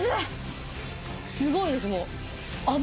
すごいですもう。